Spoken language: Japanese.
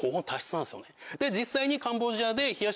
で実際に。